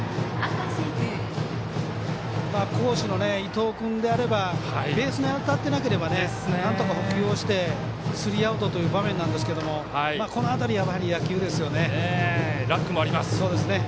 好守の伊藤君であればベースに当たっていなければなんとか捕球をしてスリーアウトという場面なんですがこの辺りは野球ですよね。